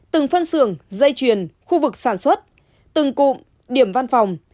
từng phân xưởng dây chuyền khu vực sản xuất từng cụm điểm văn phòng